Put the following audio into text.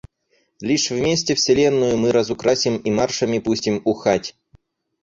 Лишь вместе вселенную мы разукрасим и маршами пустим ухать.